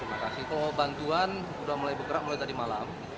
terima kasih kalau bantuan sudah mulai bergerak mulai tadi malam